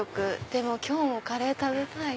でも今日もカレー食べたい。